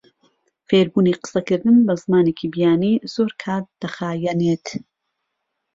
فێربوونی قسەکردن بە زمانێکی بیانی زۆر کات دەخایەنێت.